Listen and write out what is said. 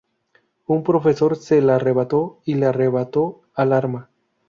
Un profesor se la arrebató y le arrebató al arma.